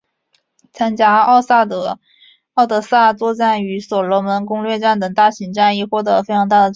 参加敖德萨作战与所罗门攻略战等大型战役获得了非常大的战果。